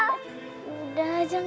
udah jangan nangis